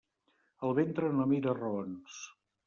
El ventre no mira raons.